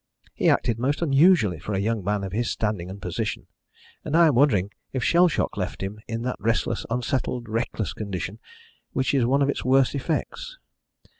He acted most unusually for a young man of his standing and position, and I am wondering if shell shock left him in that restless, unsettled, reckless condition which is one of its worst effects."